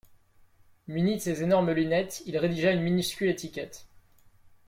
muni de ses énormes lunettes, il rédigea une minuscule étiquette